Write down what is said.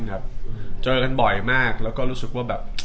อะไรนะครับ